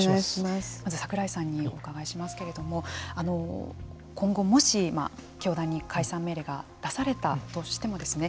まず櫻井さんにお伺いしますけれども今後もし教団に解散命令が出されたとしてもですね